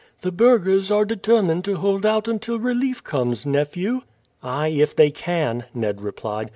"The burghers are determined to hold out until relief comes, nephew." "Ay, if they can," Ned replied.